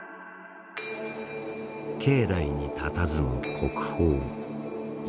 境内にたたずむ国宝「夢殿」。